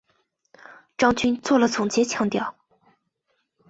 张军作了总结强调